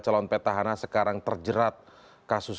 calon petahana sekarang terjerat kasus